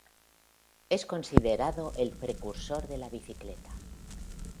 Es considerado el precursor de la bicicleta.